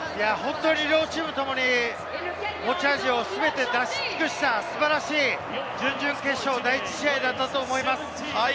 両チームともに持ち味を全て出し尽くした素晴らしい準々決勝・第１試合だったと思います。